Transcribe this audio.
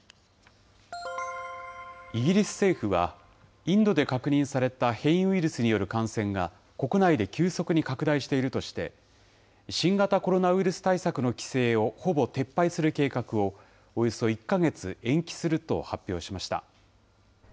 イギリス政府は、インドで確認された変異ウイルスによる感染が、国内で急速に拡大しているとして、新型コロナウイルス対策の規制をほぼ撤廃する計画をおよそ１か月延期すると発表しました。